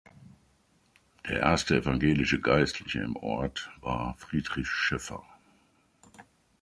Der erste evangelische Geistliche im Ort war Friedrich Scheffer.